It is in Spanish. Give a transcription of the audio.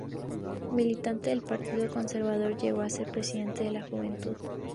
Militante del Partido Conservador, llegó a ser presidente de la Juventud.